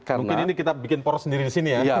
mungkin ini kita bikin poros sendiri di sini ya